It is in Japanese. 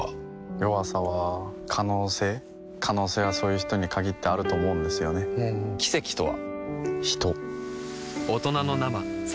弱さは可能性可能性はそういう人に限ってあると思うんですよね奇跡とは？